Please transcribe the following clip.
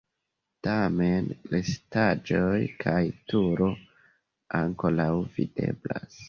Tamen restaĵoj kaj turo ankoraŭ videblas.